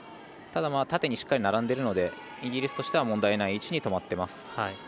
ただ縦にしっかり並んでいるのでイギリスとしては問題ない位置に止まってます。